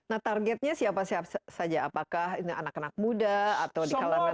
nah targetnya siapa siapa saja apakah ini anak anak muda atau di kalangan